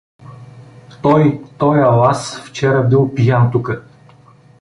Той, тоя лаз, вчера бил пиян тука.